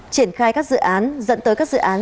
triển khai các dự án dẫn tới các dự án